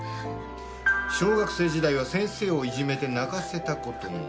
「小学生時代は先生をいじめて泣かせたことも！？」